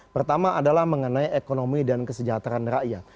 pertama adalah mengenai ekonomi dan kesejahteraan rakyat